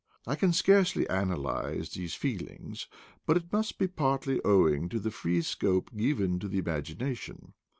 I can scarcely analyze these feelings, but it must be partly owing to the free scope given to the imagination.